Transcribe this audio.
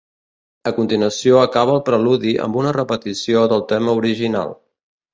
A continuació acaba el preludi amb una repetició del tema original.